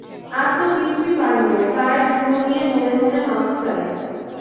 আর তো কিছুই পারি নে, পায়ের ধুলো নিয়ে মনে মনে মাপ চাই।